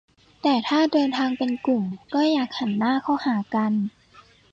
- แต่ถ้าเดินทางเป็นกลุ่ม ก็อยากนั่งหันหน้าเข้าหากัน